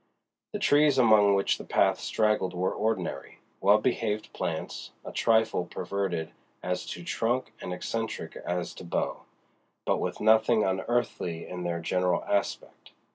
The trees among which the path straggled were ordinary, well behaved plants, a trifle perverted as to trunk and eccentric as to bough, but with nothing unearthly in their general aspect.